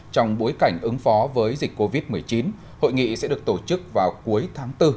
trong bối cảnh ứng phó với dịch covid một mươi chín hội nghị sẽ được tổ chức vào cuối tháng bốn